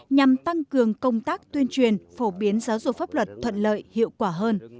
nhằm tăng cường công tác tuyên truyền phổ biến giáo dục pháp luật thuận lợi hiệu quả hơn